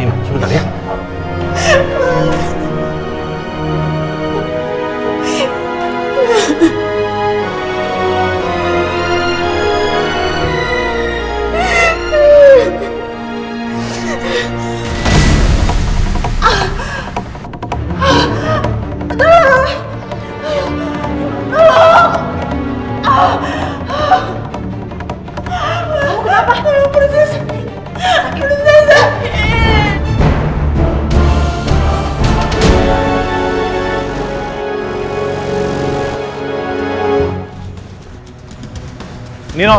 ibu tenang ya